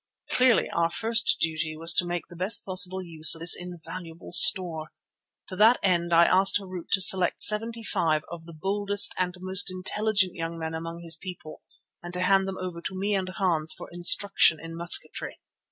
Clearly our first duty was to make the best possible use of this invaluable store. To that end I asked Harût to select seventy five of the boldest and most intelligent young men among his people, and to hand them over to me and Hans for instruction in musketry.